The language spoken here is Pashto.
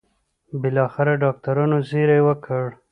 بالاخره ډاکټرانو زېری وکړ.